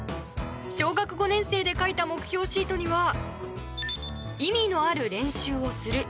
小学５年生で書いた目標シートには意味のある練習をする。